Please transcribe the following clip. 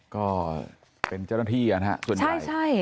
ก็เป็นเจ้าหน้าที่นะฮะส่วนใหญ่